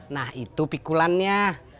nah itu pikulannya